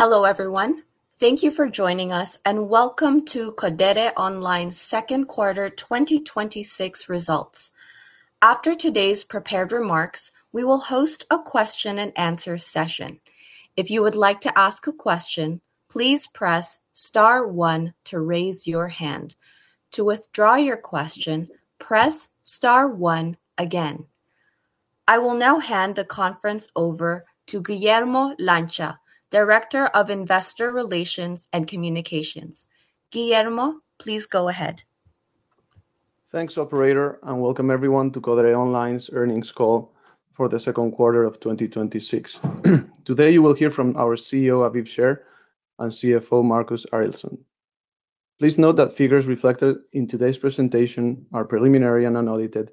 Hello, everyone. Thank you for joining us, and welcome to Codere Online second quarter 2026 results. After today's prepared remarks, we will host a question-and-answer session. If you would like to ask a question, please press star one to raise your hand. To withdraw your question, press star one again. I will now hand the conference over to Guillermo Lancha, Director of Investor Relations and Communications. Guillermo, please go ahead. Thanks, operator. Welcome everyone to Codere Online's earnings call for the second quarter of 2026. Today, you will hear from our CEO, Aviv Sher, and CFO, Marcus Arildsson. Please note that figures reflected in today's presentation are preliminary and unaudited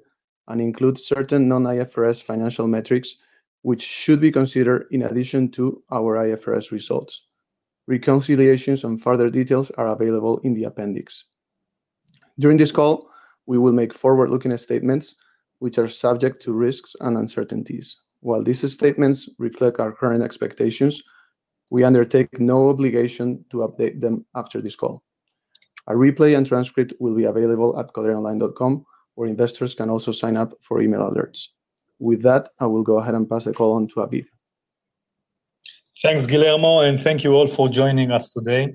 and include certain non-IFRS financial metrics, which should be considered in addition to our IFRS results. Reconciliations and further details are available in the appendix. During this call, we will make forward-looking statements which are subject to risks and uncertainties. While these statements reflect our current expectations, we undertake no obligation to update them after this call. A replay and transcript will be available at codereonline.com, where investors can also sign up for email alerts. With that, I will go ahead and pass the call on to Aviv. Thanks, Guillermo. Thank you all for joining us today.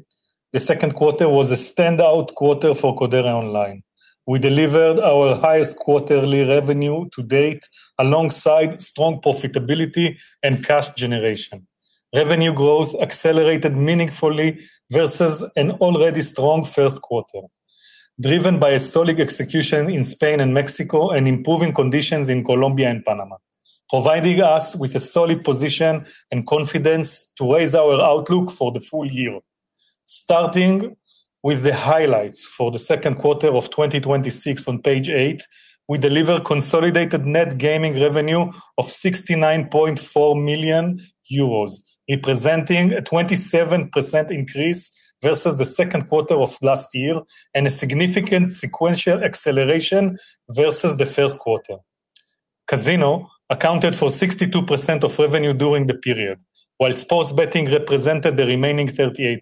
The second quarter was a standout quarter for Codere Online. We delivered our highest quarterly revenue to-date alongside strong profitability and cash generation. Revenue growth accelerated meaningfully versus an already strong first quarter, driven by a solid execution in Spain and Mexico and improving conditions in Colombia and Panama, providing us with a solid position and confidence to raise our outlook for the full year. Starting with the highlights for the second quarter of 2026 on page eight, we deliver consolidated net gaming revenue of 69.4 million euros, representing a 27% increase versus the second quarter of last year, and a significant sequential acceleration versus the first quarter. Casino accounted for 62% of revenue during the period, while sports betting represented the remaining 38%.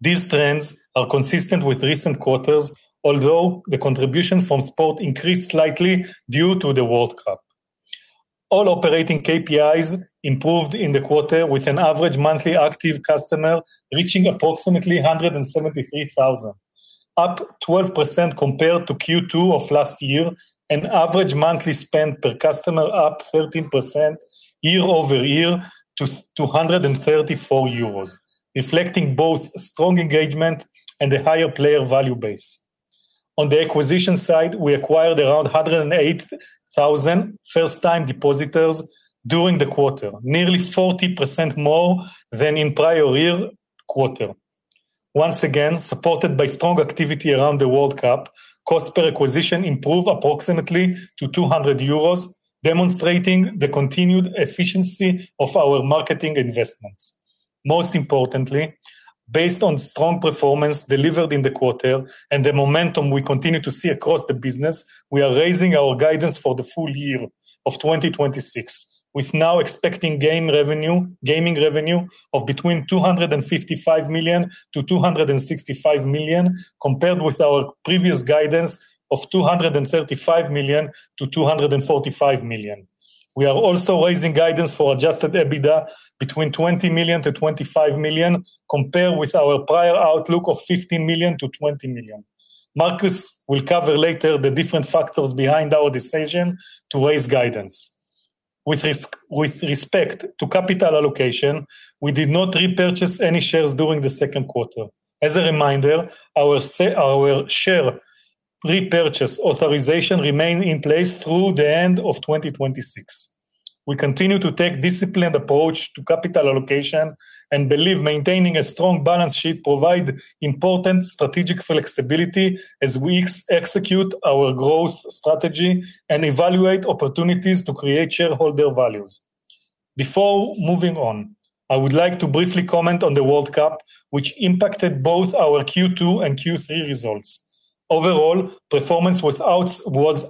These trends are consistent with recent quarters, although the contribution from sport increased slightly due to the World Cup. All operating KPIs improved in the quarter with an average monthly active customer reaching approximately 173,000, up 12% compared to Q2 of last year, and average monthly spend per customer up 13% year-over-year to 134 euros, reflecting both strong engagement and a higher player value base. On the acquisition side, we acquired around 108,000 first-time depositors during the quarter, nearly 40% more than in prior year quarter. Once again, supported by strong activity around the World Cup, cost per acquisition improved approximately to 200 euros, demonstrating the continued efficiency of our marketing investments. Most importantly, based on strong performance delivered in the quarter and the momentum we continue to see across the business, we are raising our guidance for the full year of 2026. We're now expecting gaming revenue of between 255 million-265 million, compared with our previous guidance of 235 million-245 million. We are also raising guidance for adjusted EBITDA between 20 million-25 million, compared with our prior outlook of 15 million-20 million. Marcus will cover later the different factors behind our decision to raise guidance. With respect to capital allocation, we did not repurchase any shares during the second quarter. As a reminder, our share repurchase authorization remain in place through the end of 2026. We continue to take disciplined approach to capital allocation and believe maintaining a strong balance sheet provide important strategic flexibility as we execute our growth strategy and evaluate opportunities to create shareholder values. Before moving on, I would like to briefly comment on the World Cup, which impacted both our Q2 and Q3 results. Overall, performance was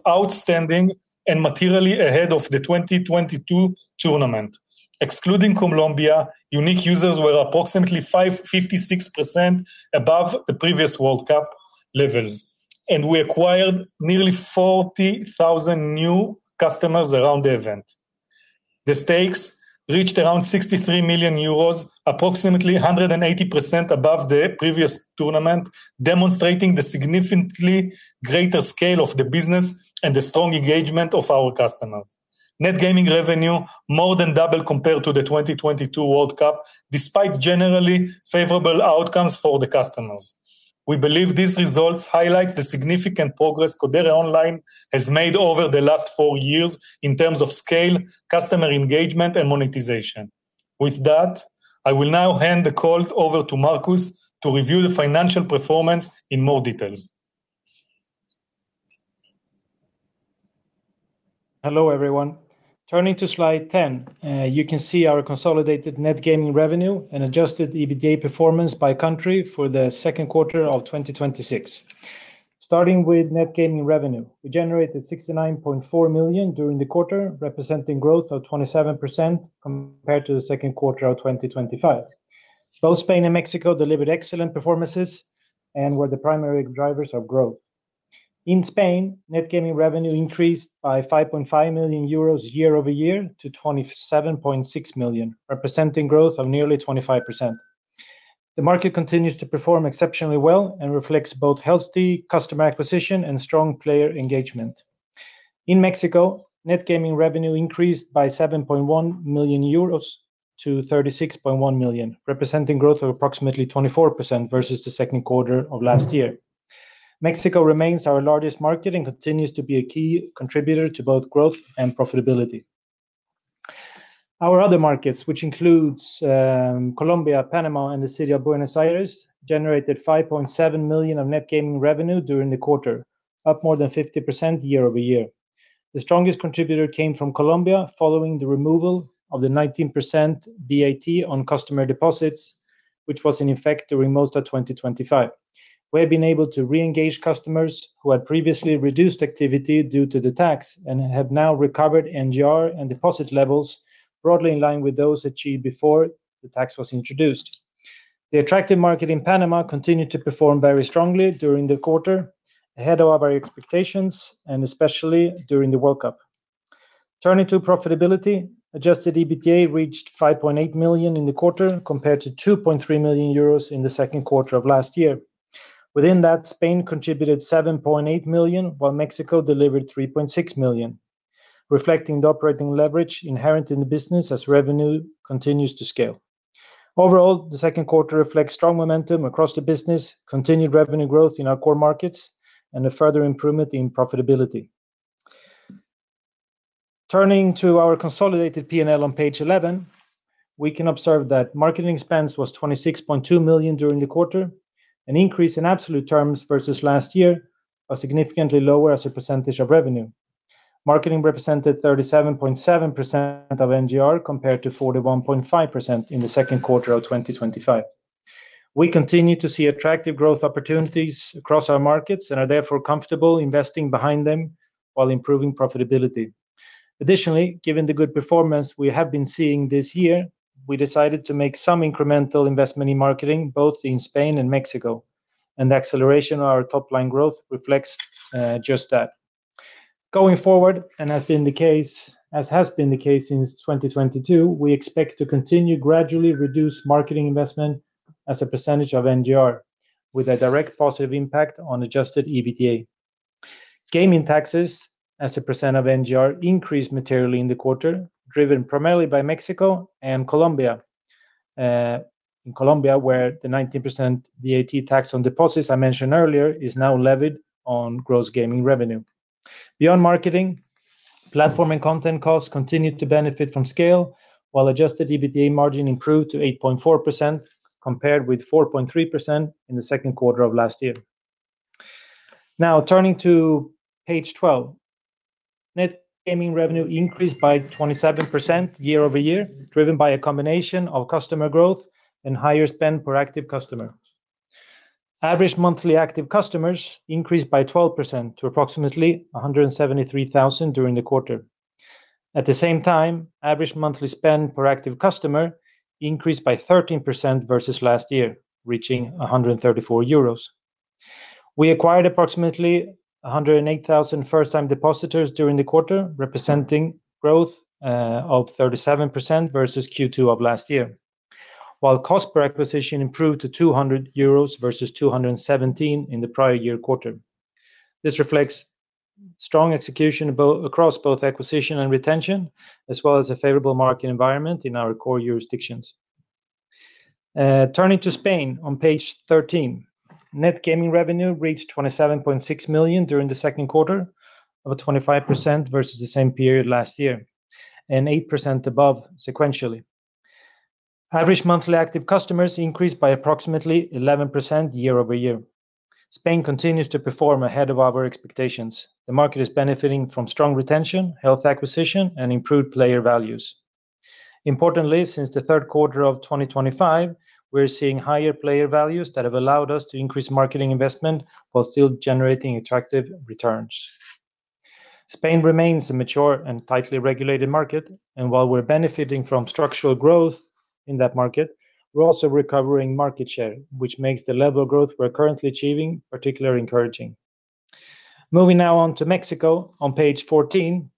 outstanding and materially ahead of the 2022 tournament. Excluding Colombia, unique users were approximately 556% above the previous World Cup levels, and we acquired nearly 40,000 new customers around the event. The stakes reached around 63 million euros, approximately 180% above the previous tournament, demonstrating the significantly greater scale of the business and the strong engagement of our customers. Net gaming revenue more than double compared to the 2022 World Cup, despite generally favorable outcomes for the customers. We believe these results highlight the significant progress Codere Online has made over the last four years in terms of scale, customer engagement, and monetization. With that, I will now hand the call over to Marcus to review the financial performance in more details. Hello, everyone. Turning to slide 10, you can see our consolidated net gaming revenue and adjusted EBITDA performance by country for the second quarter of 2026. Starting with net gaming revenue. We generated 69.4 million during the quarter, representing growth of 27% compared to the second quarter of 2025. Both Spain and Mexico delivered excellent performances and were the primary drivers of growth. In Spain, net gaming revenue increased by 5.5 million euros year-over-year to 27.6 million, representing growth of nearly 25%. The market continues to perform exceptionally well and reflects both healthy customer acquisition and strong player engagement. In Mexico, net gaming revenue increased by 7.1 million euros to 36.1 million, representing growth of approximately 24% versus the second quarter of last year. Mexico remains our largest market and continues to be a key contributor to both growth and profitability. Our other markets, which includes Colombia, Panama, and the City of Buenos Aires, generated 5.7 million of net gaming revenue during the quarter, up more than 50% year-over-year. The strongest contributor came from Colombia following the removal of the 19% VAT on customer deposits, which was in effect during most of 2025. We have been able to re-engage customers who had previously reduced activity due to the tax and have now recovered NGR and deposit levels broadly in line with those achieved before the tax was introduced. The attractive market in Panama continued to perform very strongly during the quarter, ahead of our expectations, and especially during the World Cup. Turning to profitability, adjusted EBITDA reached 5.8 million in the quarter compared to 2.3 million euros in the second quarter of last year. Within that, Spain contributed 7.8 million, while Mexico delivered 3.6 million, reflecting the operating leverage inherent in the business as revenue continues to scale. Overall, the second quarter reflects strong momentum across the business, continued revenue growth in our core markets, and a further improvement in profitability. Turning to our consolidated P&L on page 11, we can observe that marketing expense was 26.2 million during the quarter, an increase in absolute terms versus last year, but significantly lower as a percentage of revenue. Marketing represented 37.7% of NGR compared to 41.5% in the second quarter of 2025. We continue to see attractive growth opportunities across our markets and are therefore comfortable investing behind them while improving profitability. Additionally, given the good performance we have been seeing this year, we decided to make some incremental investment in marketing, both in Spain and Mexico, and the acceleration of our top-line growth reflects just that. Going forward, and as has been the case since 2022, we expect to continue gradually reduce marketing investment as a percentage of NGR with a direct positive impact on adjusted EBITDA. Gaming taxes as a percent of NGR increased materially in the quarter, driven primarily by Mexico and Colombia. In Colombia, where the 19% VAT tax on deposits I mentioned earlier is now levied on gross gaming revenue. Beyond marketing, platform and content costs continued to benefit from scale, while adjusted EBITDA margin improved to 8.4% compared with 4.3% in the second quarter of last year. Now turning to page 12. Net gaming revenue increased by 27% year-over-year, driven by a combination of customer growth and higher spend per active customer. Average monthly active customers increased by 12% to approximately 173,000 during the quarter. At the same time, average monthly spend per active customer increased by 13% versus last year, reaching 134 euros. We acquired approximately 108,000 first-time depositors during the quarter, representing growth of 37% versus Q2 of last year. While cost per acquisition improved to 200 euros versus 217 in the prior year quarter. This reflects strong execution across both acquisition and retention, as well as a favorable market environment in our core jurisdictions. Turning to Spain on page 13. Net gaming revenue reached 27.6 million during the second quarter, over 25% versus the same period last year, and 8% above sequentially. Average monthly active customers increased by approximately 11% year-over-year. Spain continues to perform ahead of our expectations. The market is benefiting from strong retention, health acquisition, and improved player values. Importantly, since the third quarter of 2025, we're seeing higher player values that have allowed us to increase marketing investment while still generating attractive returns. Spain remains a mature and tightly regulated market. While we're benefiting from structural growth in that market, we're also recovering market share, which makes the level of growth we're currently achieving particularly encouraging. Moving now on to Mexico on page 14.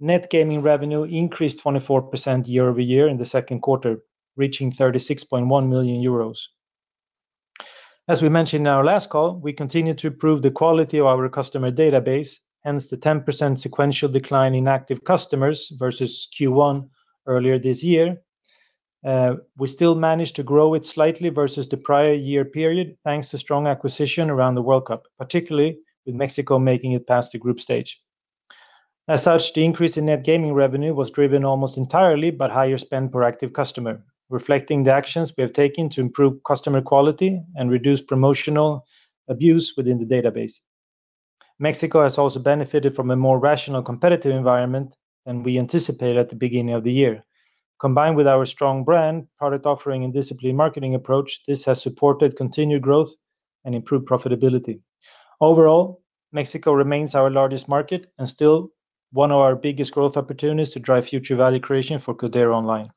Net gaming revenue increased 24% year-over-year in the second quarter, reaching 36.1 million euros. As we mentioned in our last call, we continue to improve the quality of our customer database, hence the 10% sequential decline in active customers versus Q1 earlier this year. We still managed to grow it slightly versus the prior year period, thanks to strong acquisition around the World Cup, particularly with Mexico making it past the group stage. The increase in net gaming revenue was driven almost entirely by higher spend per active customer, reflecting the actions we have taken to improve customer quality and reduce promotional abuse within the database. Mexico has also benefited from a more rational competitive environment than we anticipated at the beginning of the year. Combined with our strong brand, product offering, and disciplined marketing approach, this has supported continued growth and improved profitability. Overall, Mexico remains our largest market and still one of our biggest growth opportunities to drive future value creation for Codere Online.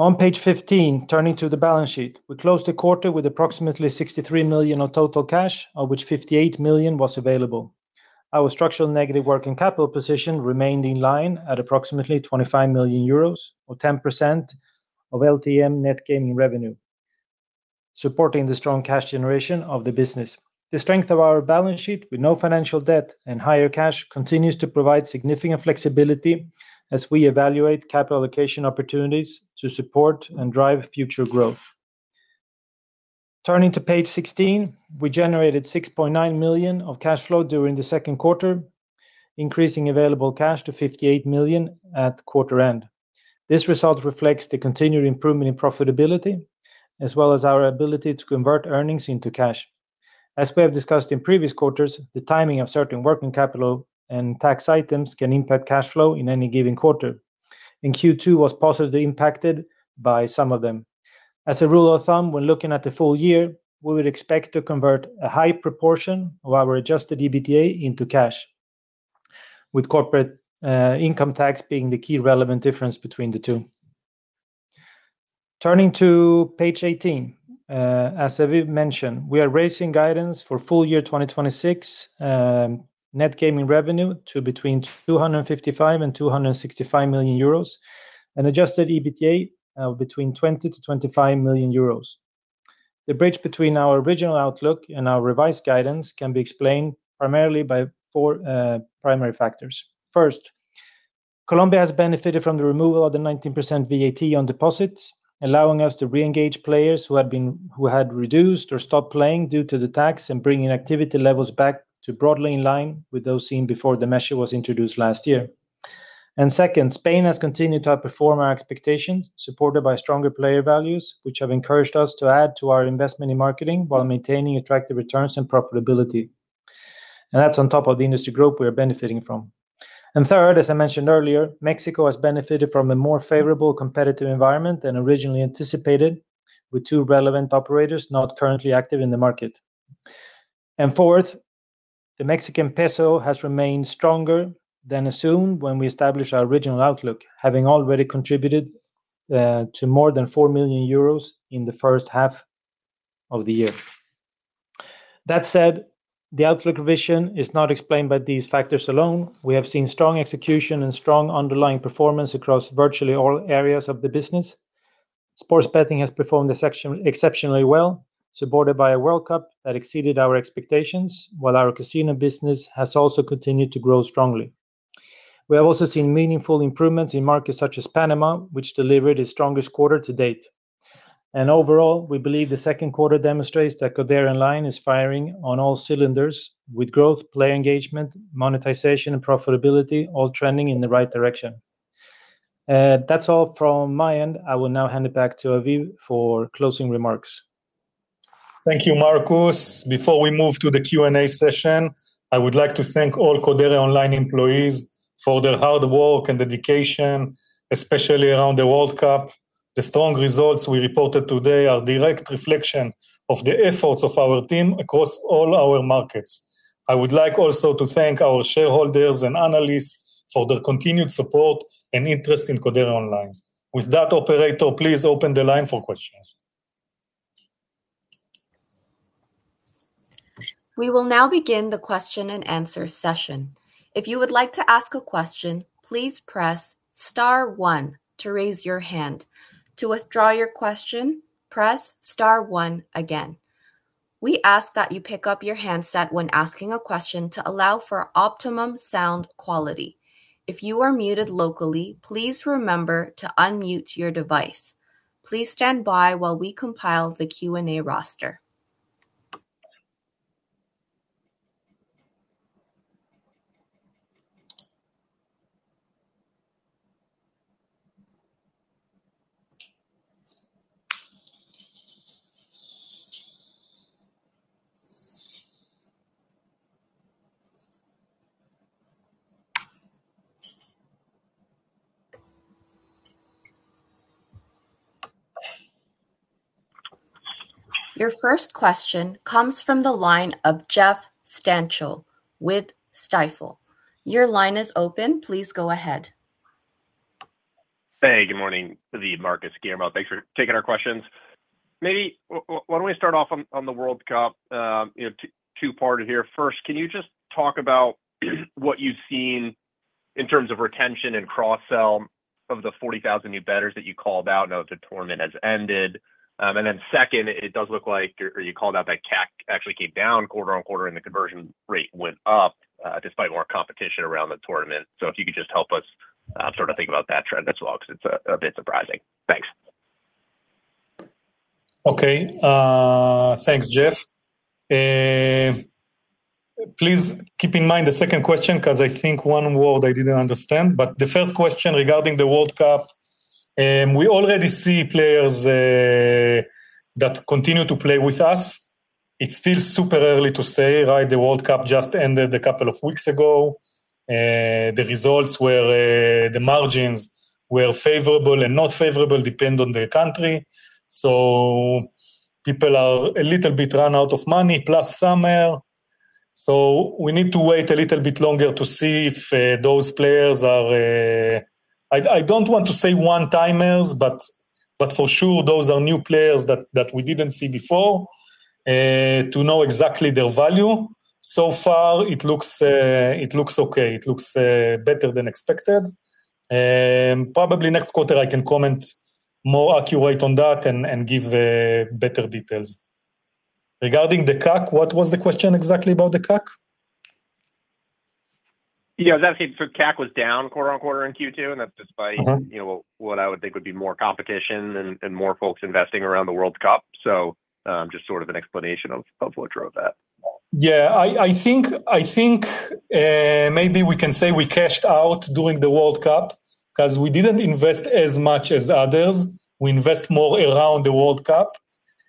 On page 15, turning to the balance sheet, we closed the quarter with approximately 63 million of total cash, of which 58 million was available. Our structural negative working capital position remained in line at approximately 25 million euros or 10% of LTM net gaming revenue, supporting the strong cash generation of the business. The strength of our balance sheet with no financial debt and higher cash continues to provide significant flexibility as we evaluate capital allocation opportunities to support and drive future growth. Turning to page 16, we generated 6.9 million of cash flow during the second quarter, increasing available cash to 58 million at quarter end. This result reflects the continued improvement in profitability, as well as our ability to convert earnings into cash. As we have discussed in previous quarters, the timing of certain working capital and tax items can impact cash flow in any given quarter, and Q2 was positively impacted by some of them. As a rule of thumb, when looking at the full year, we would expect to convert a high proportion of our adjusted EBITDA into cash, with corporate income tax being the key relevant difference between the two. Turning to page 18. As Aviv mentioned, we are raising guidance for full year 2026 net gaming revenue to between 255 million and 265 million euros, and adjusted EBITDA of between 20 million to 25 million euros. The bridge between our original outlook and our revised guidance can be explained primarily by four primary factors. First, Colombia has benefited from the removal of the 19% VAT on deposits, allowing us to reengage players who had reduced or stopped playing due to the tax, bringing activity levels back to broadly in line with those seen before the measure was introduced last year. Second, Spain has continued to outperform our expectations, supported by stronger player values, which have encouraged us to add to our investment in marketing while maintaining attractive returns and profitability. That's on top of the industry group we are benefiting from. Third, as I mentioned earlier, Mexico has benefited from a more favorable competitive environment than originally anticipated, with two relevant operators not currently active in the market. Fourth, the Mexican peso has remained stronger than assumed when we established our original outlook, having already contributed to more than 4 million euros in the first half of the year. That said, the outlook revision is not explained by these factors alone. We have seen strong execution and strong underlying performance across virtually all areas of the business. Sports betting has performed exceptionally well, supported by a World Cup that exceeded our expectations, while our casino business has also continued to grow strongly. We have also seen meaningful improvements in markets such as Panama, which delivered its strongest quarter-to-date. Overall, we believe the second quarter demonstrates that Codere Online is firing on all cylinders with growth, player engagement, monetization, and profitability all trending in the right direction. That's all from my end. I will now hand it back to Aviv for closing remarks. Thank you, Marcus. Before we move to the Q&A session, I would like to thank all Codere Online employees for their hard work and dedication, especially around the World Cup. The strong results we reported today are a direct reflection of the efforts of our team across all our markets. I would like also to thank our shareholders and analysts for their continued support and interest in Codere Online. With that, operator, please open the line for questions. We will now begin the question and answer session. If you would like to ask a question, please press star one to raise your hand. To withdraw your question, press star one again. We ask that you pick up your handset when asking a question to allow for optimum sound quality. If you are muted locally, please remember to unmute your device. Please stand by while we compile the Q&A roster. Your first question comes from the line of Jeff Stantial with Stifel. Your line is open. Please go ahead. Hey, good morning, Aviv, Marcus, Guillermo. Thanks for taking our questions. Maybe why don't we start off on the World Cup? Two-parted here. First, can you just talk about what you've seen in terms of retention and cross-sell of the 40,000 new bettors that you called out now that the tournament has ended? Second, it does look like, or you called out that CAC actually came down quarter-on-quarter and the conversion rate went up despite more competition around the tournament. If you could just help us sort of think about that trend as well, because it's a bit surprising. Thanks. Okay. Thanks, Jeff. Please keep in mind the second question, because I think one word I didn't understand. The first question regarding the World Cup. We already see players that continue to play with us. It's still super early to say, right? The World Cup just ended a couple of weeks ago. The results, the margins were favorable and not favorable, depend on the country. People are a little bit run out of money, plus summer. We need to wait a little bit longer to see if those players are, I don't want to say one-timers, but for sure those are new players that we didn't see before, to know exactly their value. So far it looks okay. It looks better than expected. Probably next quarter I can comment more accurate on that and give better details. Regarding the CAC, what was the question exactly about the CAC? I was asking for CAC was down quarter-on-quarter in Q2, and that's despite. What I would think would be more competition and more folks investing around the World Cup. Just sort of an explanation of what drove that. Yeah. I think maybe we can say we cashed out during the World Cup because we didn't invest as much as others. We invest more around the World Cup.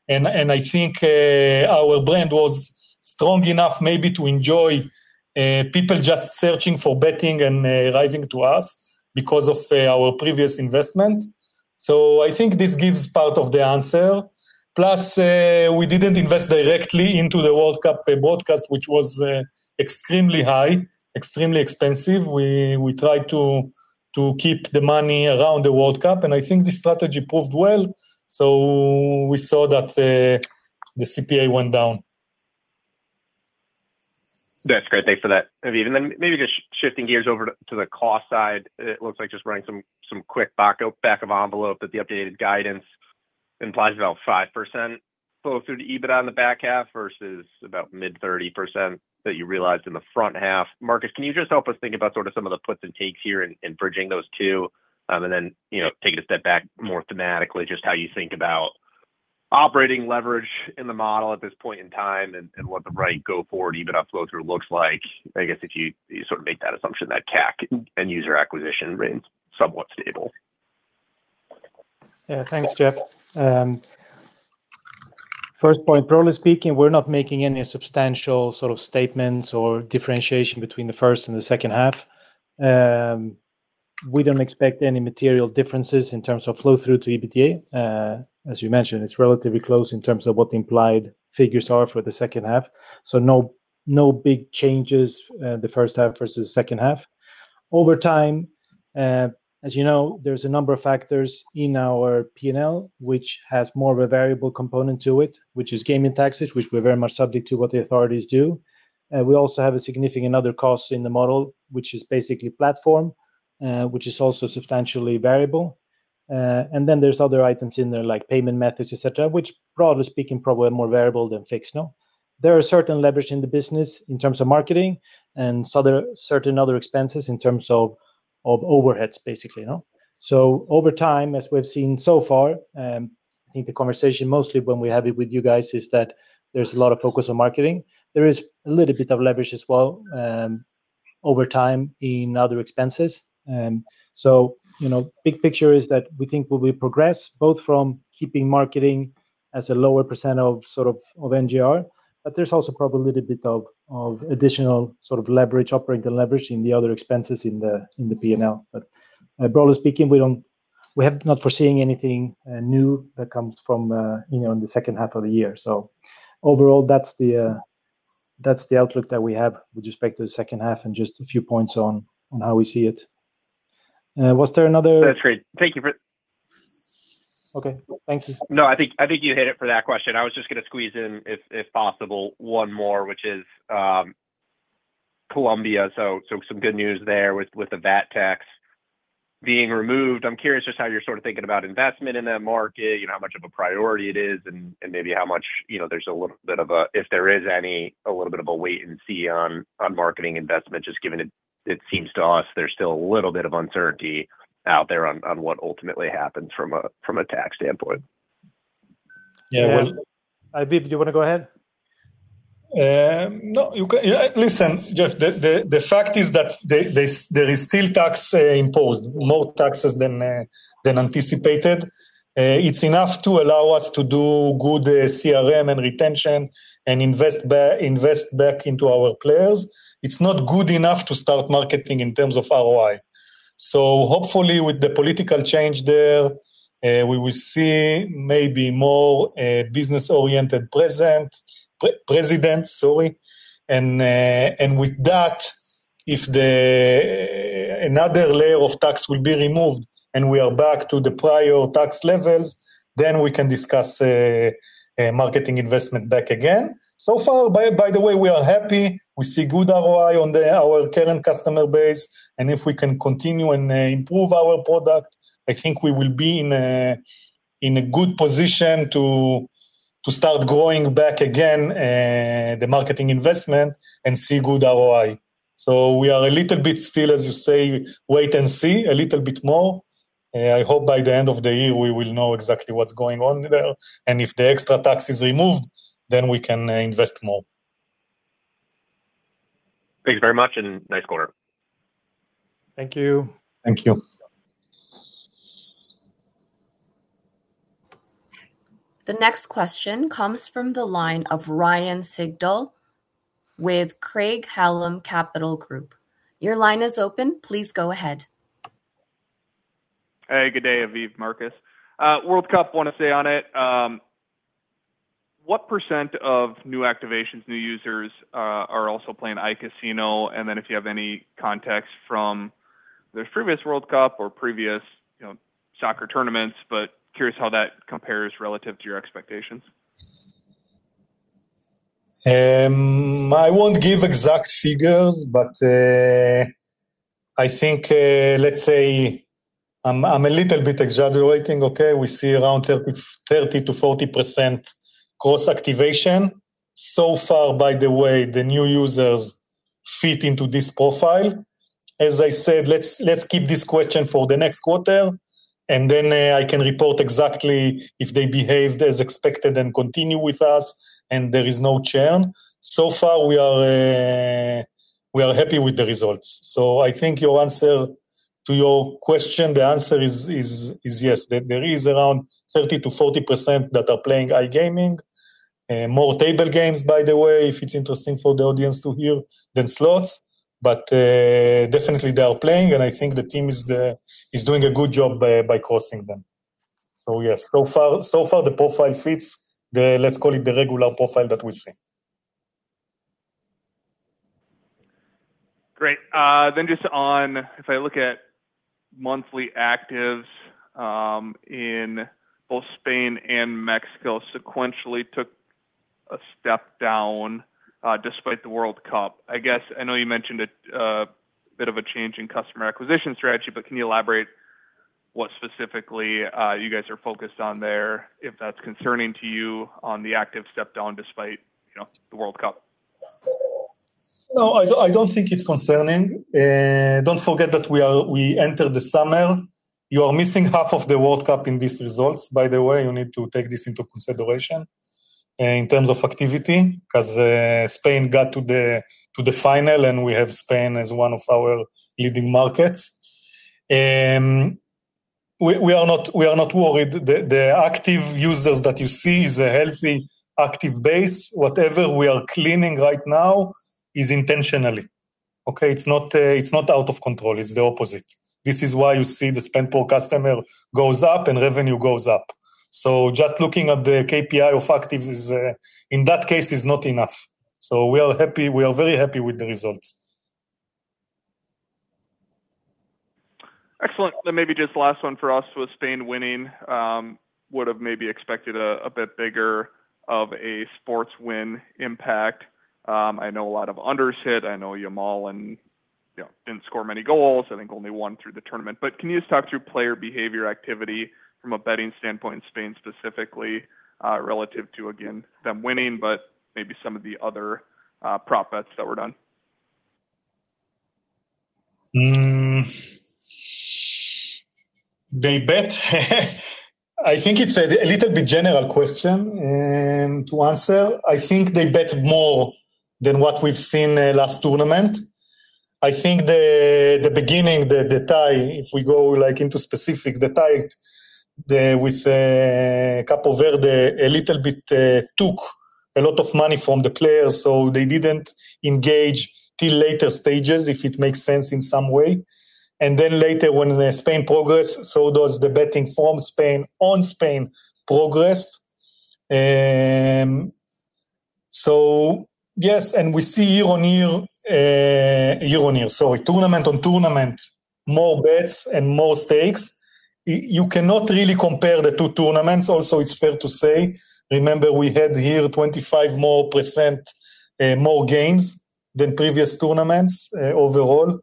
I think our brand was strong enough maybe to enjoy people just searching for betting and arriving to us because of our previous investment. I think this gives part of the answer. We didn't invest directly into the World Cup broadcast, which was extremely high, extremely expensive. We tried to keep the money around the World Cup, I think this strategy proved well. We saw that the CPA went down. That's great. Thanks for that, Aviv. Maybe just shifting gears over to the cost side, it looks like just running some quick back of envelope that the updated guidance implies about 5% flow through to EBITDA in the back half versus about mid 30% that you realized in the front half. Marcus, can you just help us think about sort of some of the puts and takes here in bridging those two? Taking a step back more thematically, just how you think about operating leverage in the model at this point in time and what the right go forward EBITDA flow through looks like, I guess if you sort of make that assumption that CAC and user acquisition remains somewhat stable. Yeah. Thanks, Jeff. First point, broadly speaking, we're not making any substantial sort of statements or differentiation between the first and the second half. We don't expect any material differences in terms of flow through to EBITDA. As you mentioned, it's relatively close in terms of what the implied figures are for the second half. No big changes the first half versus second half. Over time, as you know, there's a number of factors in our P&L, which has more of a variable component to it, which is gaming taxes, which we're very much subject to what the authorities do. We also have a significant other cost in the model, which is basically platform, which is also substantially variable. There's other items in there like payment methods, et cetera, which broadly speaking, probably are more variable than fixed now. There are certain leverage in the business in terms of marketing and certain other expenses in terms of overheads. Over time, as we've seen so far, I think the conversation mostly when we have it with you guys is that there's a lot of focus on marketing. There is a little bit of leverage as well, over time in other expenses. Big picture is that we think we will progress both from keeping marketing as a lower percent of NGR, but there's also probably a little bit of additional sort of leverage, operating leverage in the other expenses in the P&L. Broadly speaking, we have not foreseeing anything new that comes from in the second half of the year. Overall, that's the outlook that we have with respect to the second half and just a few points on how we see it. Was there another- That's great. Thank you for- Okay, Thanks. I think you hit it for that question. I was just going to squeeze in, if possible, one more, which is Colombia. Some good news there with the VAT tax being removed. I am curious just how you are sort of thinking about investment in that market, how much of a priority it is, and maybe how much, there is a little bit of a wait and see on marketing investment, just given it seems to us there is still a little bit of uncertainty out there on what ultimately happens from a tax standpoint. Aviv, do you want to go ahead? Listen, Jeff, the fact is that there is still tax imposed, more taxes than anticipated. It is enough to allow us to do good CRM and retention and invest back into our players. It is not good enough to start marketing in terms of ROI. Hopefully with the political change there, we will see maybe more business-oriented presidents, sorry. With that, if another layer of tax will be removed, and we are back to the prior tax levels, we can discuss marketing investment back again. So far, by the way, we are happy. We see good ROI on our current customer base, and if we can continue and improve our product, I think we will be in a good position to start growing back again the marketing investment and see good ROI. We are a little bit still, as you say, wait and see a little bit more. I hope by the end of the year we will know exactly what is going on there. If the extra tax is removed, we can invest more. Thanks very much, nice quarter. Thank you. Thank you. The next question comes from the line of Ryan Sigdahl with Craig-Hallum Capital Group. Your line is open. Please go ahead. Hey, good day, Aviv, Marcus. World Cup, I want to stay on it. What percent of new activations, new users are also playing iCasino? If you have any context from the previous World Cup or previous soccer tournaments, curious how that compares relative to your expectations. I won't give exact figures. I think, let's say, I'm a little bit exaggerating, okay, we see around 30%-40% cross-activation. So far, by the way, the new users fit into this profile. As I said, let's keep this question for the next quarter. I can report exactly if they behaved as expected, continue with us, there is no churn. So far, we are happy with the results. I think your answer to your question, the answer is yes. There is around 30%-40% that are playing iGaming. More table games, by the way, if it's interesting for the audience to hear, than slots. Definitely they are playing. I think the team is doing a good job by crossing them. Yes, so far the profile fits the, let's call it, the regular profile that we see. Great. Just on, if I look at monthly actives in both Spain and Mexico sequentially took a step down despite the World Cup. I know you mentioned a bit of a change in customer acquisition strategy. Can you elaborate what specifically you guys are focused on there, if that's concerning to you on the active step down despite the World Cup? No, I don't think it's concerning. Don't forget that we entered the summer. You are missing half of the World Cup in these results, by the way. You need to take this into consideration in terms of activity, because Spain got to the final. We have Spain as one of our leading markets. We are not worried. The active users that you see is a healthy active base. Whatever we are cleaning right now is intentionally. Okay. It's not out of control, it's the opposite. This is why you see the spend per customer goes up, revenue goes up. Just looking at the KPI of actives is, in that case, is not enough. We are very happy with the results. Excellent. Maybe just last one for us. With Spain winning, would've maybe expected a bit bigger of a sports win impact. I know a lot of unders hit. I know Yamal didn't score many goals, I think only one through the tournament. Can you just talk through player behavior activity from a betting standpoint in Spain specifically, relative to, again, them winning, but maybe some of the other prop bets that were done? They bet. I think it's a little bit general question to answer. I think they bet more than what we've seen last tournament. I think the beginning, the tie, if we go into specific, the tie with Cabo Verde, a little bit took a lot of money from the players, so they didn't engage till later stages, if it makes sense in some way. Later when Spain progressed, so does the betting on Spain progressed. We see year-on-year. Tournament on tournament, more bets and more stakes. You cannot really compare the two tournaments. Also, it's fair to say, remember, we had here 25% more games than previous tournaments overall.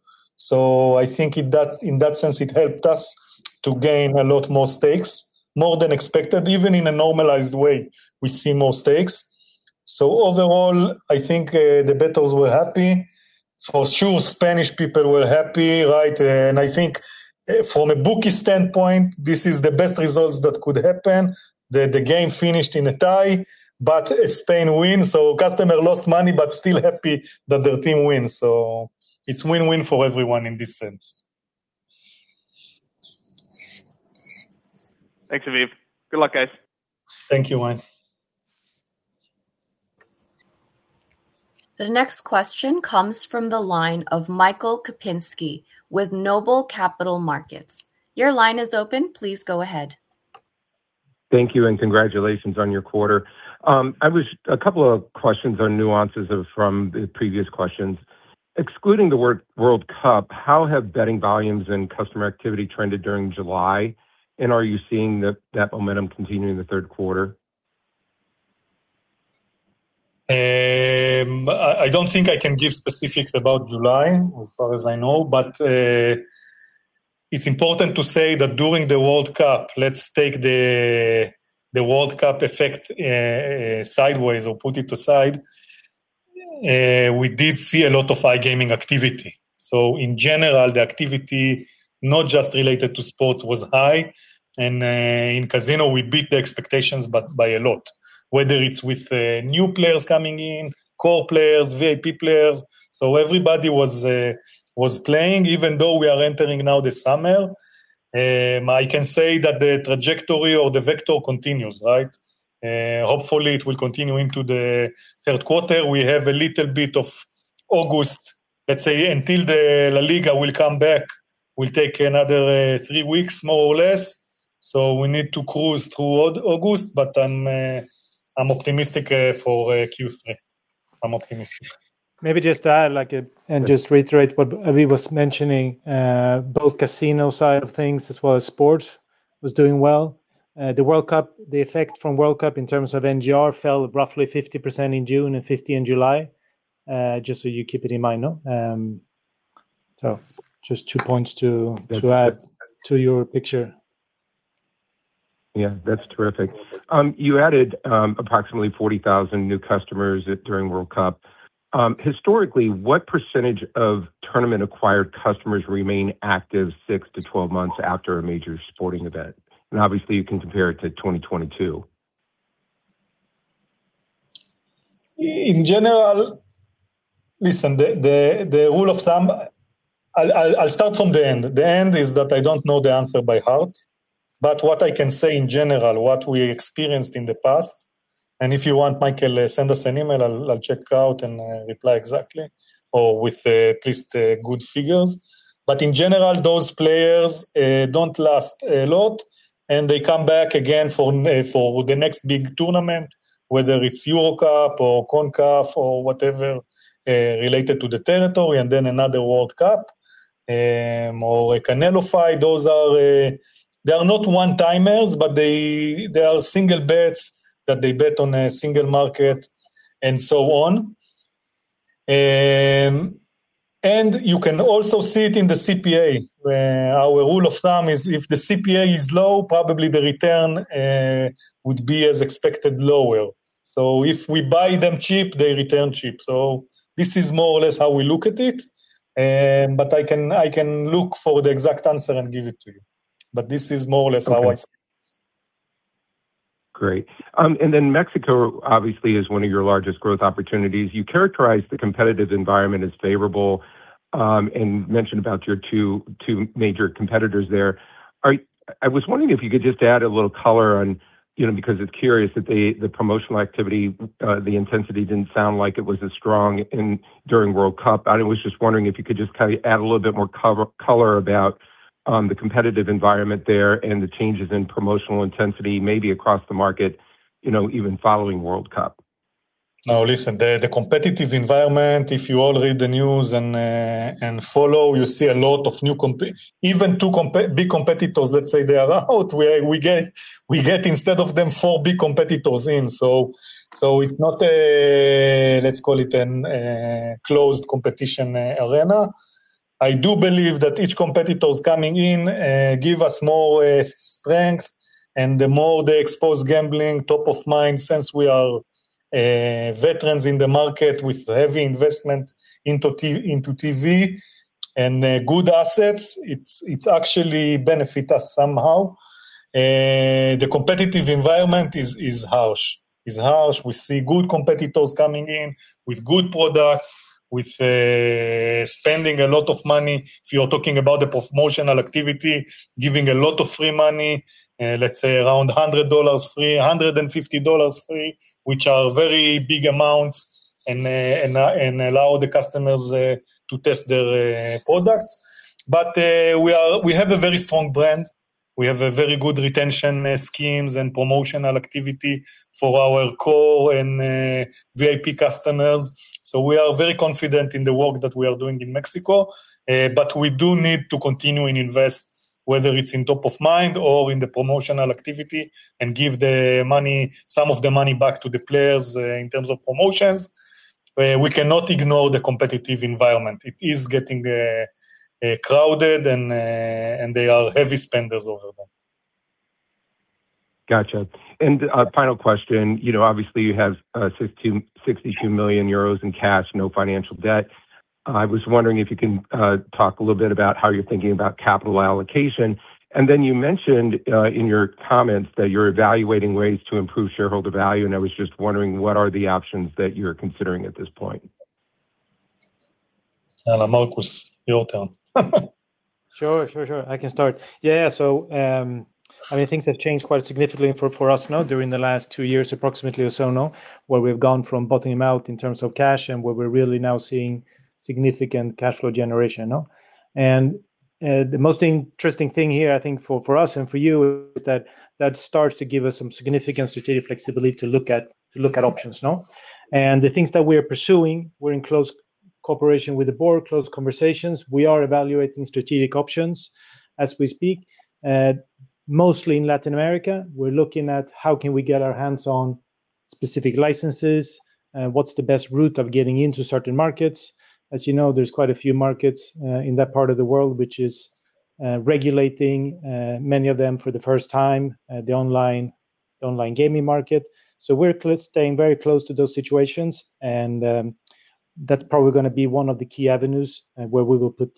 I think in that sense, it helped us to gain a lot more stakes, more than expected. Even in a normalized way, we see more stakes. Overall, I think the bettors were happy. For sure, Spanish people were happy. I think from a bookie standpoint, this is the best results that could happen. The game finished in a tie, but Spain wins, so customer lost money, but still happy that their team wins. It's win-win for everyone in this sense. Thanks, Aviv. Good luck, guys. Thank you, Ryan. The next question comes from the line of Michael Kupinski with Noble Capital Markets. Your line is open. Please go ahead. Thank you, and congratulations on your quarter. A couple of questions or nuances from the previous questions. Excluding the World Cup, how have betting volumes and customer activity trended during July? Are you seeing that momentum continue in the third quarter? I don't think I can give specifics about July, as far as I know. It's important to say that during the World Cup, let's take the World Cup effect sideways or put it aside, we did see a lot of iGaming activity. In general, the activity, not just related to sports, was high. In casino, we beat the expectations, but by a lot. Whether it's with new players coming in, core players, VIP players. Everybody was playing, even though we are entering now the summer I can say that the trajectory or the vector continues. Hopefully, it will continue into the third quarter. We have a little bit of August, let's say, until the La Liga will come back, will take another three weeks, more or less. We need to cruise through August, but I'm optimistic for Q3. I'm optimistic. Maybe just to add and just reiterate what Aviv was mentioning, both casino side of things as well as sport was doing well. The effect from World Cup in terms of NGR fell roughly 50% in June and 50% in July. Just so you keep it in mind. Just two points to add to your picture. That's terrific. You added approximately 40,000 new customers during World Cup. Historically, what percentage of tournament-acquired customers remain active 6 to 12 months after a major sporting event? Obviously you can compare it to 2022. In general, listen, the rule of thumb, I'll start from the end. The end is that I don't know the answer by heart, what I can say in general, what we experienced in the past, if you want, Michael, send us an email. I'll check out and reply exactly, or with at least good figures. In general, those players don't last a lot, they come back again for the next big tournament, whether it's Euro Cup or CONCACAF or whatever, related to the territory, then another World Cup or a Canelo fight. They are not one-timers, but they are single bets that they bet on a single market and so on. You can also see it in the CPA. Our rule of thumb is if the CPA is low, probably the return would be as expected, lower. If we buy them cheap, they return cheap. This is more or less how we look at it. I can look for the exact answer and give it to you. This is more or less how I see it. Great. Mexico obviously is one of your largest growth opportunities. You characterize the competitive environment as favorable, and mentioned about your two major competitors there. I was wondering if you could just add a little color on, because it's curious that the promotional activity, the intensity didn't sound like it was as strong during World Cup. I was just wondering if you could just add a little bit more color about the competitive environment there and the changes in promotional intensity, maybe across the market, even following World Cup? Now, listen, the competitive environment, if you all read the news and follow, you see a lot of new companies. Even two big competitors, let's say they are out, we get instead of them, four big competitors in. It's not a, let's call it a closed competition arena. I do believe that each competitor coming in gives us more strength, and the more they expose gambling top of mind, since we are veterans in the market with heavy investment into TV and good assets, it actually benefit us somehow. The competitive environment is harsh. We see good competitors coming in with good products, with spending a lot of money. If you're talking about the promotional activity, giving a lot of free money, let's say around EUR 100 free, EUR 150 free, which are very big amounts and allow the customers to test their products. We have a very strong brand. We have a very good retention schemes and promotional activity for our core and VIP customers. We are very confident in the work that we are doing in Mexico. We do need to continue and invest, whether it's in top of mind or in the promotional activity, and give some of the money back to the players in terms of promotions. We cannot ignore the competitive environment. It is getting crowded, and they are heavy spenders over there. Got you. Final question. Obviously, you have 62 million euros in cash, no financial debt. I was wondering if you can talk a little bit about how you're thinking about capital allocation. You mentioned in your comments that you're evaluating ways to improve shareholder value, and I was just wondering, what are the options that you're considering at this point? Marcus, your turn. Sure. I can start. Yeah. Things have changed quite significantly for us now during the last two years, approximately or so now, where we've gone from bottoming out in terms of cash and where we're really now seeing significant cash flow generation. The most interesting thing here, I think, for us and for you, is that that starts to give us some significant strategic flexibility to look at options now. The things that we are pursuing, we're in close cooperation with the board, close conversations. We are evaluating strategic options as we speak. Mostly in Latin America, we're looking at how can we get our hands on specific licenses, what's the best route of getting into certain markets. As you know, there's quite a few markets in that part of the world which is regulating many of them for the first time, the online gaming market. We're staying very close to those situations, and that's probably going to be one of the key avenues where we will put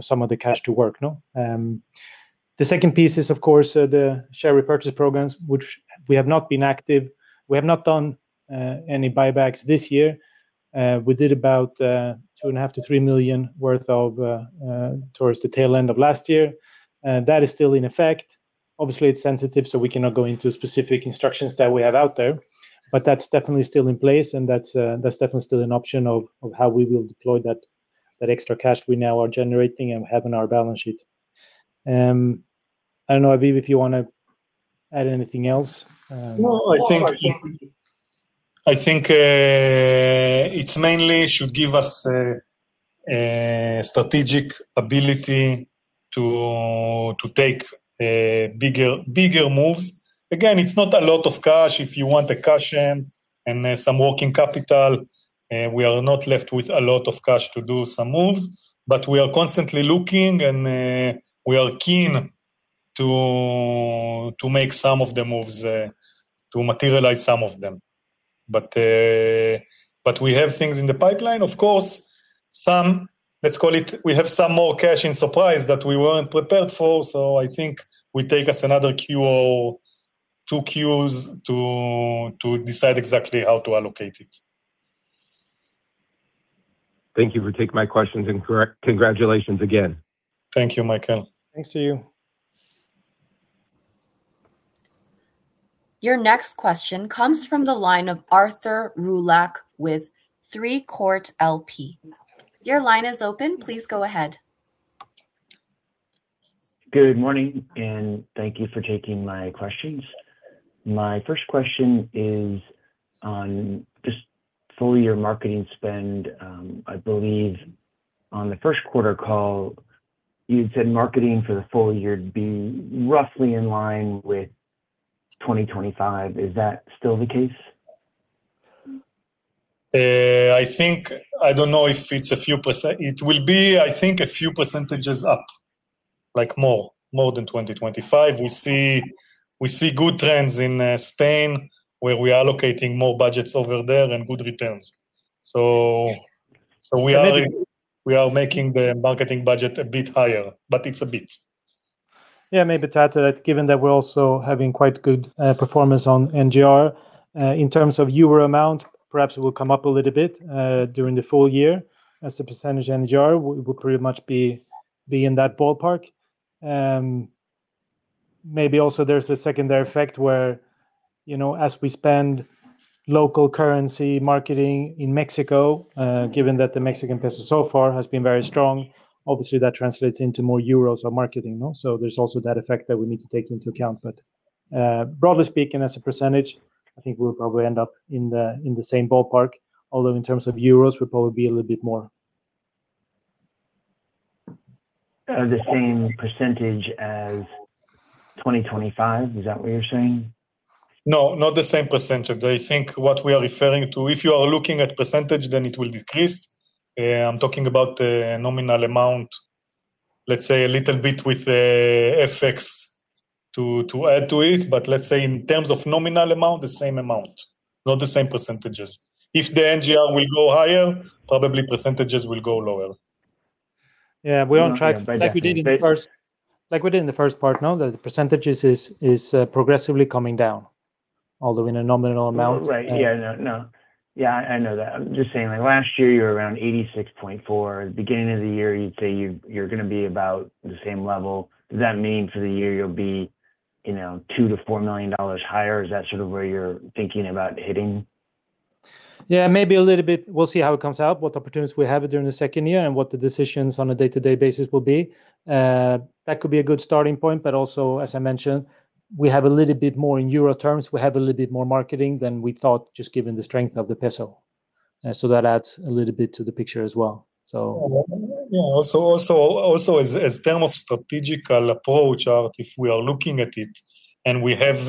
some of the cash to work. The second piece is, of course, the share repurchase programs, which we have not been active. We have not done any buybacks this year. We did about 2.5 million-3 million worth towards the tail end of last year. That is still in effect. Obviously, it's sensitive, so we cannot go into specific instructions that we have out there, but that's definitely still in place, and that's definitely still an option of how we will deploy that extra cash we now are generating and have on our balance sheet. I don't know, Aviv, if you want to add anything else. No, I think it mainly should give us a strategic ability to take bigger moves. Again, it's not a lot of cash. If you want the cash in and some working capital, we are not left with a lot of cash to do some moves, but we are constantly looking, and we are keen to materialize some of the moves. We have things in the pipeline, of course. We have some more cash in supplies that we weren't prepared for, I think it will take us another Q or two Qs to decide exactly how to allocate it. Thank you for taking my questions, and congratulations again. Thank you, Michael. Thanks to you. Your next question comes from the line of Arthur Roulac with Three Court LP. Your line is open. Please go ahead. Good morning, thank you for taking my questions. My first question is on just full-year marketing spend. I believe on the first quarter call, you'd said marketing for the full year would be roughly in line with 2025. Is that still the case? I don't know if it's a few percent. It will be, I think, a few percentages up. More than 2025. We see good trends in Spain, where we are allocating more budgets over there and good returns. Okay. We are making the marketing budget a bit higher, but it's a bit. Yeah, maybe to add to that, given that we're also having quite good performance on NGR. In terms of euro amount, perhaps it will come up a little bit during the full year. As a percentage NGR, we will pretty much be in that ballpark. Maybe also there's a secondary effect where as we spend local currency marketing in Mexico, given that the Mexican peso so far has been very strong, obviously that translates into more euros on marketing. There's also that effect that we need to take into account. Broadly speaking, as a percentage, I think we'll probably end up in the same ballpark, although in terms of euros, we'll probably be a little bit more. The same percentage as 2025, is that what you're saying? No, not the same percentage. I think what we are referring to, if you are looking at percentage, then it will decrease. I'm talking about the nominal amount, let's say a little bit with FX to add to it. Let's say in terms of nominal amount, the same amount, not the same percentages. If the NGR will go higher, probably percentages will go lower. Yeah, we're on track. Like we did in the first part now, the percentages is progressively coming down, although in a nominal amount. Right. Yeah, I know that. I'm just saying, last year you were around 86.4 million. At the beginning of the year, you'd say you're going to be about the same level. Does that mean for the year you'll be EUR 2 million-EUR 4 million higher? Is that sort of where you're thinking about hitting? Maybe a little bit. We'll see how it comes out, what opportunities we have during the second year, and what the decisions on a day-to-day basis will be. That could be a good starting point, but also, as I mentioned, we have a little bit more in euro terms. We have a little bit more marketing than we thought, just given the strength of the peso. That adds a little bit to the picture as well. Also, as term of strategic approach, Art, if we are looking at it and we have,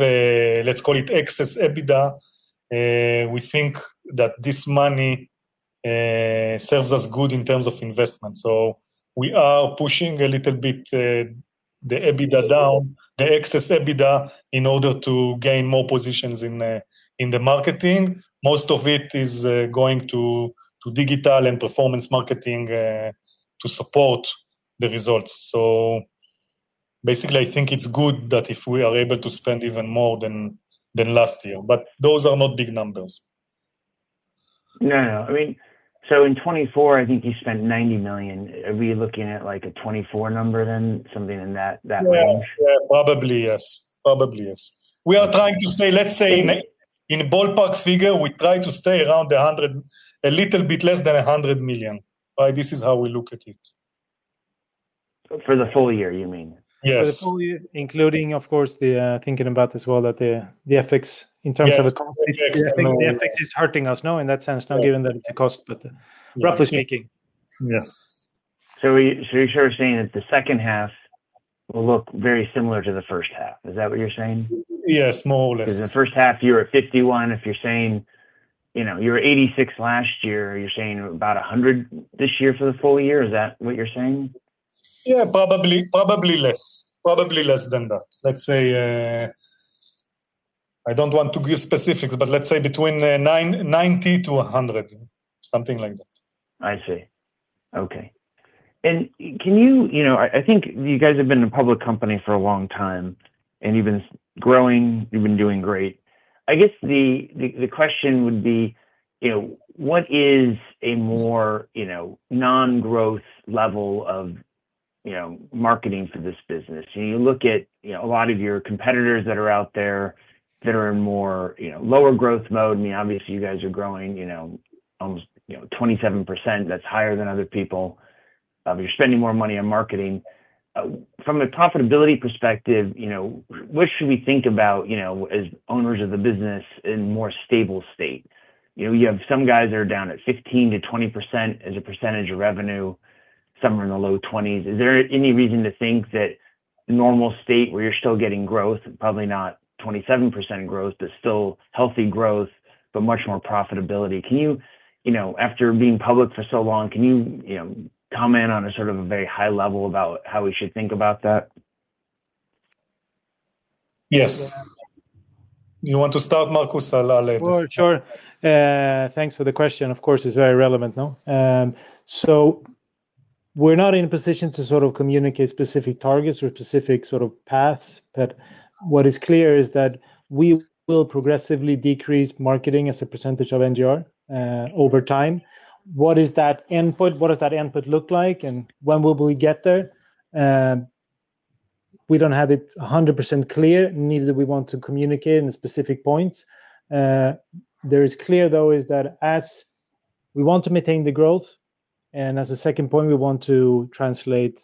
let's call it excess EBITDA, we think that this money serves us good in terms of investment. We are pushing a little bit the excess EBITDA down in order to gain more positions in the marketing. Most of it is going to digital and performance marketing to support the results. Basically, I think it's good that if we are able to spend even more than last year, but those are not big numbers. In 2024, I think you spent 90 million. Are we looking at a 2024 number? Something in that range? Probably, yes. We are trying to stay, let's say, in a ballpark figure, we try to stay around a little bit less than 100 million. This is how we look at it. For the full year, you mean? Yes. For the full year, including, of course, the thinking about as well that the FX in terms of the- Yes. I think the FX is hurting us now in that sense. Yeah. Now, given that it's a cost, but roughly speaking. Yes. You're sort of saying that the second half will look very similar to the first half. Is that what you're saying? Yeah, small, less. The first half, you were at 51 million. If you're saying you were 86 million last year, you're saying about 100 million this year for the full year. Is that what you're saying? Yeah, probably less. Probably less than that. I don't want to give specifics, but let's say between 90 million-100 million, something like that. I see. Okay. I think you guys have been a public company for a long time, and you've been growing, you've been doing great. I guess the question would be, what is a more non-growth level of marketing for this business? You look at a lot of your competitors that are out there that are in more lower growth mode. Obviously, you guys are growing almost 27%, that's higher than other people. You're spending more money on marketing. From a profitability perspective, what should we think about as owners of the business in a more stable state? You have some guys that are down at 15%-20% as a percentage of revenue, somewhere in the low 20s. Is there any reason to think that a normal state where you're still getting growth, probably not 27% growth, but still healthy growth, but much more profitability? After being public for so long, can you comment on a very high level about how we should think about that? Yes. You want to start, Marcus, I'll let you. Sure. Thanks for the question. Of course, it's very relevant, no. We're not in a position to communicate specific targets or specific paths, but what is clear is that we will progressively decrease marketing as a percentage of NGR over time. What is that input? What does that input look like? When will we get there? We don't have it 100% clear, neither do we want to communicate any specific points. There is clear, though, is that as we want to maintain the growth, as a second point, we want to translate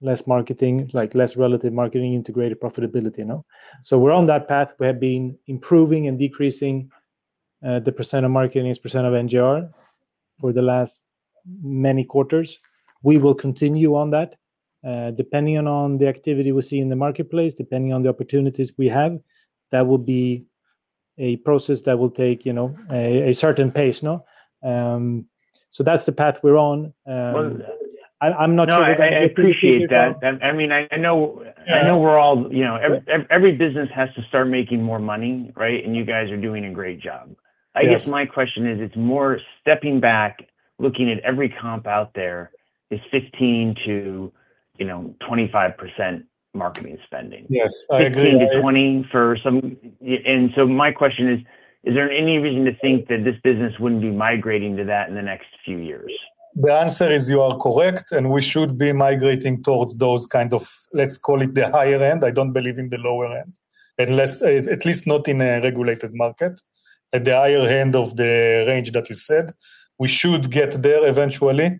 less marketing, like less relative marketing into greater profitability. We're on that path. We have been improving and decreasing the percent of marketing as percent of NGR for the last many quarters. We will continue on that. Depending on the activity we see in the marketplace, depending on the opportunities we have, that will be a process that will take a certain pace, no? That's the path we're on. I'm not sure that I appreciate that- I appreciate that. I know every business has to start making more money, right? You guys are doing a great job. Yes. I guess my question is it's more stepping back, looking at every comp out there is 15%-25% marketing spending. Yes, I agree. 15%-20% for some. My question is there any reason to think that this business wouldn't be migrating to that in the next few years? The answer is you are correct, and we should be migrating towards those kind of, let's call it the higher end. I don't believe in the lower end. At least not in a regulated market. At the higher end of the range that you said, we should get there eventually.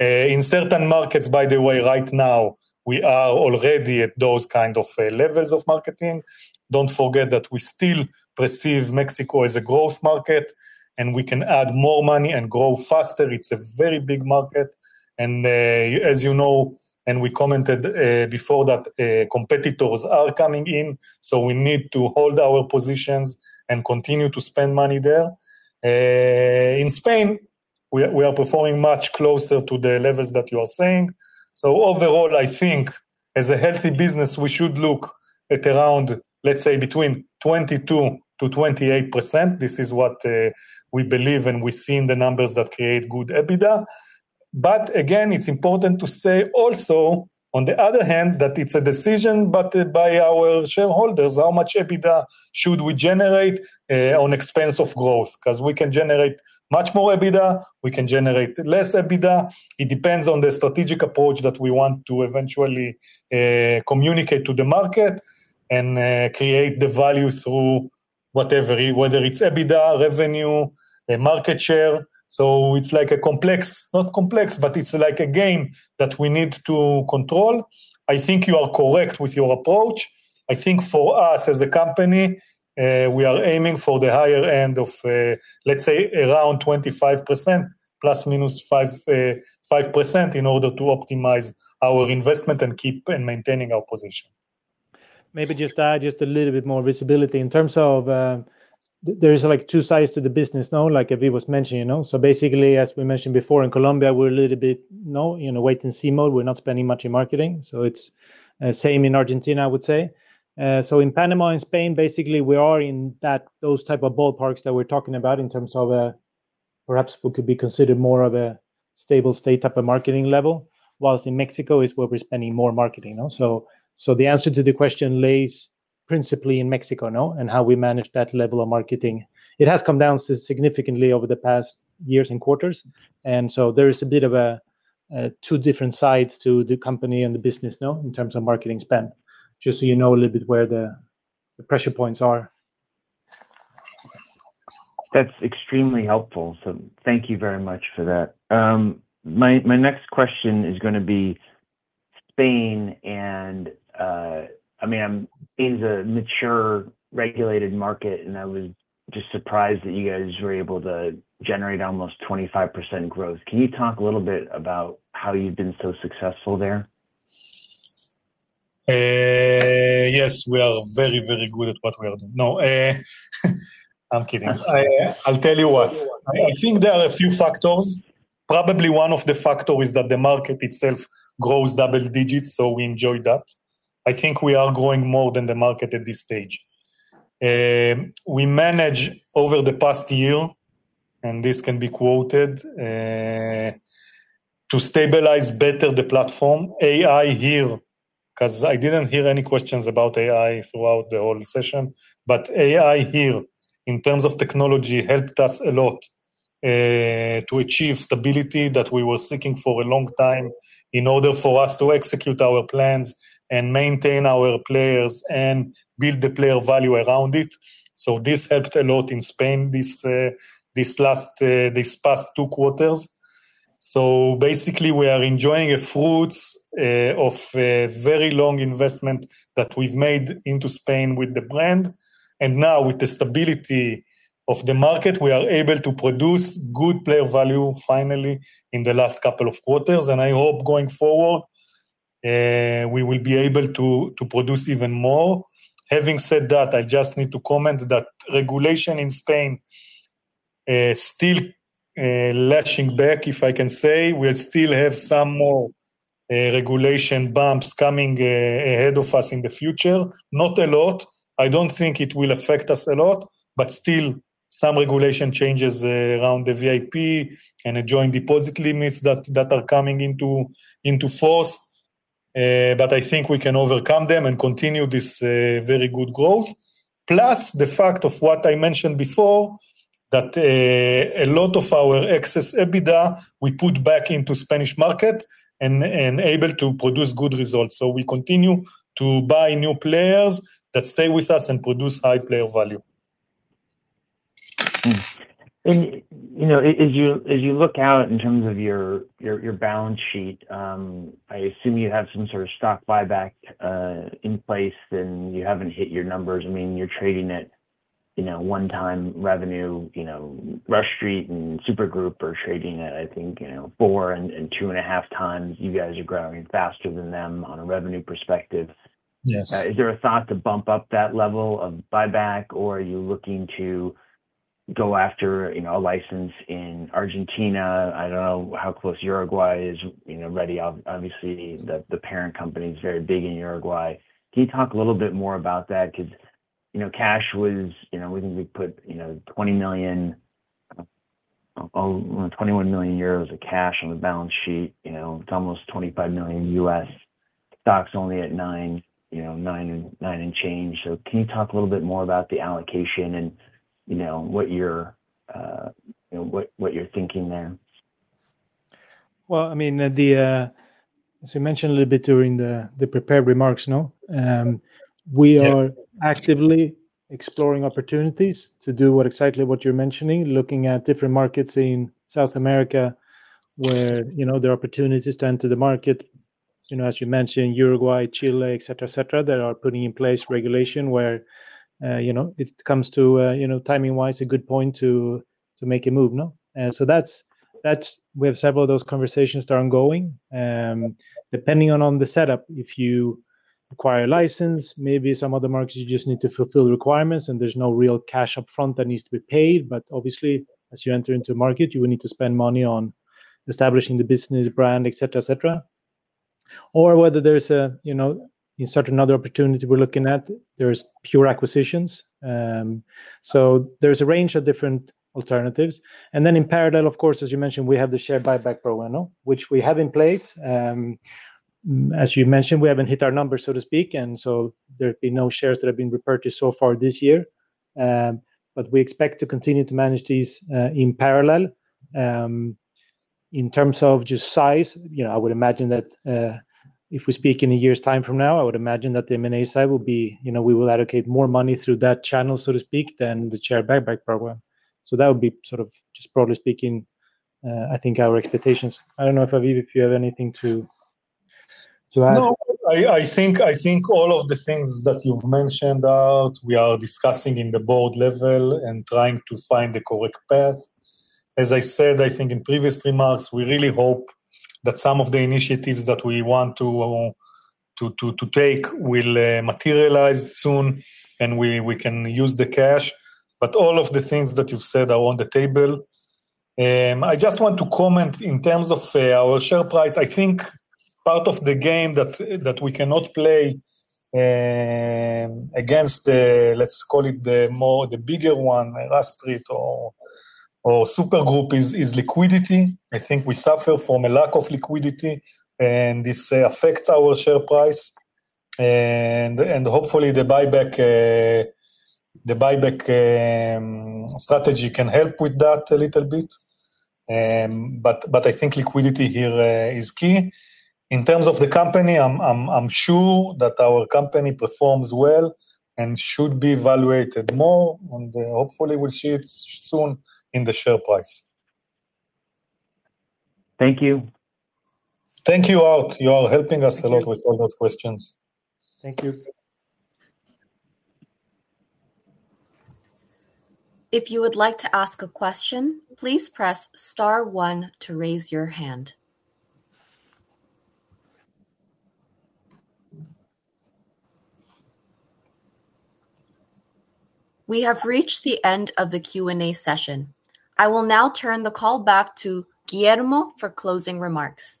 In certain markets, by the way, right now, we are already at those kind of levels of marketing. Don't forget that we still perceive Mexico as a growth market, and we can add more money and grow faster. It's a very big market. As you know, and we commented before that competitors are coming in, we need to hold our positions and continue to spend money there. In Spain, we are performing much closer to the levels that you are saying. Overall, I think as a healthy business, we should look at around, let's say, between 22%-28%. This is what we believe and we see in the numbers that create good EBITDA. Again, it's important to say also, on the other hand, that it's a decision, but by our shareholders, how much EBITDA should we generate on expense of growth? Because we can generate much more EBITDA, we can generate less EBITDA. It depends on the strategic approach that we want to eventually communicate to the market and create the value through whatever, whether it's EBITDA, revenue, market share. It's like a complex, not complex, but it's like a game that we need to control. I think you are correct with your approach. I think for us as a company, we are aiming for the higher end of, let's say, around 25%, ±5% in order to optimize our investment and keep maintaining our position. Maybe just add just a little bit more visibility in terms of, there is two sides to the business now, like Aviv was mentioning. Basically, as we mentioned before, in Colombia, we're a little bit no in a wait and see mode. We're not spending much in marketing. It's same in Argentina, I would say. In Panama and Spain, basically, we are in those type of ballparks that we're talking about in terms of perhaps what could be considered more of a stable state type of marketing level, whilst in Mexico is where we're spending more marketing. The answer to the question lays principally in Mexico now, and how we manage that level of marketing. It has come down significantly over the past years and quarters, there is a bit of a two different sides to the company and the business now in terms of marketing spend. Just so you know a little bit where the pressure points are. That's extremely helpful. Thank you very much for that. My next question is going to be Spain and, I mean, Spain is a mature, regulated market, and I was just surprised that you guys were able to generate almost 25% growth. Can you talk a little bit about how you've been so successful there? Yes. We are very, very good at what we are doing. No, I'm kidding. I'll tell you what. I think there are a few factors. Probably one of the factor is that the market itself grows double digits, we enjoy that. I think we are growing more than the market at this stage. We managed over the past year, this can be quoted, to stabilize better the platform. AI here, because I didn't hear any questions about AI throughout the whole session, AI here, in terms of technology, helped us a lot to achieve stability that we were seeking for a long time in order for us to execute our plans and maintain our players and build the player value around it. This helped a lot in Spain, these past two quarters. Basically, we are enjoying the fruits of a very long investment that we've made into Spain with the brand. Now with the stability of the market, we are able to produce good player value finally in the last couple of quarters. I hope going forward, we will be able to produce even more. Having said that, I just need to comment that regulation in Spain is still lashing back, if I can say. We still have some more regulation bumps coming ahead of us in the future. Not a lot. I don't think it will affect us a lot, but still some regulation changes around the VIP and joint deposit limits that are coming into force. I think we can overcome them and continue this very good growth. Plus, the fact of what I mentioned before, that a lot of our excess EBITDA we put back into Spanish market and able to produce good results. We continue to buy new players that stay with us and produce high player value. As you look out in terms of your balance sheet, I assume you have some sort of stock buyback in place and you haven't hit your numbers. You're trading at 1x revenue. Rush Street and Super Group are trading at, I think, 4x and 2.5x. You guys are growing faster than them on a revenue perspective. Yes. Is there a thought to bump up that level of buyback, or are you looking to go after a license in Argentina? I don't know how close Uruguay is. Obviously, the parent company is very big in Uruguay. Can you talk a little bit more about that? Cash was, we put 20 million, almost 21 million euros of cash on the balance sheet. It's almost $25 million. Stock's only at nine and change. Can you talk a little bit more about the allocation and what you're thinking there? Well, as we mentioned a little bit during the prepared remarks, no. We are actively exploring opportunities to do exactly what you're mentioning, looking at different markets in South America where there are opportunities to enter the market. As you mentioned, Uruguay, Chile, et cetera, that are putting in place regulation where it comes to timing-wise a good point to make a move, no. We have several of those conversations that are ongoing. Depending on the setup, if you acquire a license, maybe some other markets you just need to fulfill the requirements and there's no real cash up front that needs to be paid. Obviously, as you enter into a market, you will need to spend money on establishing the business brand, et cetera. Or whether there's a certain other opportunity we're looking at, there is pure acquisitions. There's a range of different alternatives. In parallel, of course, as you mentioned, we have the share buyback program, which we have in place. As you mentioned, we haven't hit our numbers, so to speak, there have been no shares that have been repurchased so far this year. We expect to continue to manage these in parallel. In terms of just size, I would imagine that if we speak in a year's time from now, I would imagine that the M&A side we will allocate more money through that channel, so to speak, than the share buyback program. That would be sort of just broadly speaking, I think our expectations. I don't know, Aviv, if you have anything to add. No. I think all of the things that you've mentioned out, we are discussing in the board level and trying to find the correct path. As I said, I think in previous remarks, we really hope that some of the initiatives that we want to take will materialize soon and we can use the cash. All of the things that you've said are on the table. I just want to comment in terms of our share price. I think part of the game that we cannot play against, let's call it the more, the bigger one, Rush Street or Super Group, is liquidity. I think we suffer from a lack of liquidity, and this affects our share price. Hopefully, the buyback strategy can help with that a little bit. I think liquidity here is key. In terms of the company, I'm sure that our company performs well and should be evaluated more, hopefully we'll see it soon in the share price. Thank you. Thank you, Arthur. You are helping us a lot with all those questions. Thank you. If you would like to ask a question, please press star one to raise your hand. We have reached the end of the Q&A session. I will now turn the call back to Guillermo for closing remarks.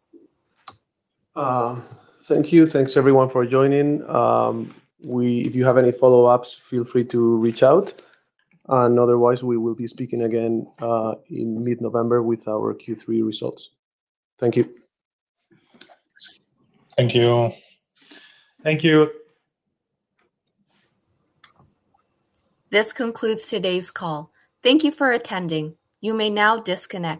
Thank you. Thanks everyone for joining. If you have any follow-ups, feel free to reach out, and otherwise, we will be speaking again in mid-November with our Q3 results. Thank you. Thank you. Thank you. This concludes today's call. Thank you for attending. You may now disconnect.